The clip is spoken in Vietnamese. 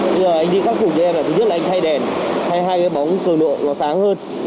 bây giờ anh đi khắc phục cho em là thứ nhất là anh thay đèn thay hai cái bóng cường độ nó sáng hơn